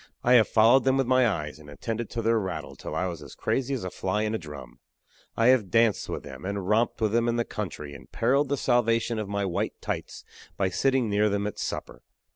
I have followed them with my eyes, and attended to their rattle till I was as crazy as a fly in a drum. I have danced with them, and romped with them in the country, and periled the salvation of my "white tights" by sitting near them at supper.